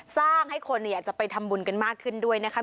สร้างให้คนอยากจะไปทำบุญกันมากขึ้นด้วยนะคะ